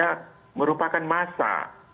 yang tadinya merupakan massa